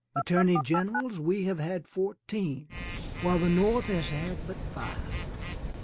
Attorney Generals we have had 14, while the North have had but five.